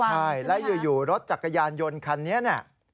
ใช่แล้วอยู่รถจักรยานยนต์คันนี้เนี่ย